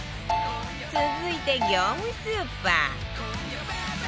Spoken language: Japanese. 続いて業務スーパー